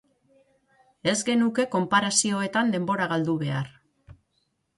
Ez genuke konparazioetan denbora galdu behar.